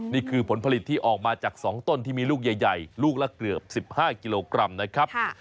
นี่คือผลผลิตที่ออกมาจาก๒ต้นที่มีลูกใหญ่ลูกละเกือบ๑๕กิโลกรัมนะครับ